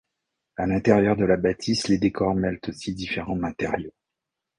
À l’intérieur de la bâtisse les décors mêlent aussi différents matériaux.